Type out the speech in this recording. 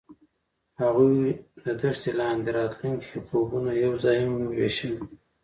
هغوی د دښته لاندې د راتلونکي خوبونه یوځای هم وویشل.